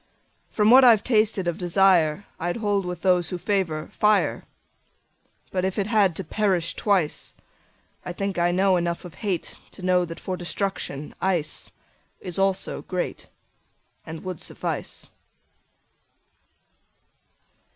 From what I've tasted of desireI hold with those who favor fire. But if it had to perish twice,I think I know enough of hateTo know that for destruction iceIs also greatAnd would suffice.